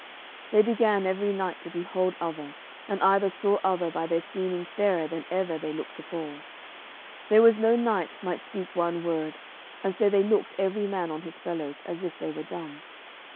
Then began every knight to behold other, and either saw other by their seeming fairer than ever they looked afore. There was no knight might speak one word, and so they looked every man on his fellows, as if they were dumb.